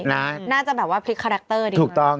แล้วน่าจะเป็นว่าพลิกคาแรคเตอร์ถูกต้อง